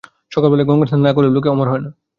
সকালবেলায় গঙ্গাস্নান না করিলেও লোকে অমর হয় না।